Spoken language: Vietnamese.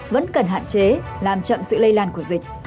vẫn cần hạn chế làm chậm sự lây lan của dịch